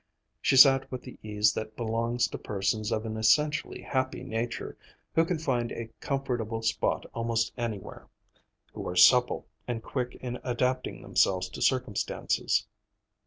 She sat with the ease that belongs to persons of an essentially happy nature, who can find a comfortable spot almost anywhere; who are supple, and quick in adapting themselves to circumstances.